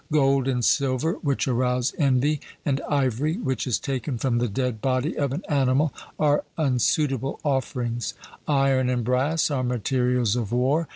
Gold and silver, which arouse envy, and ivory, which is taken from the dead body of an animal, are unsuitable offerings; iron and brass are materials of war.